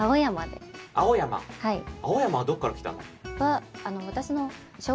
青山はどこから来たの？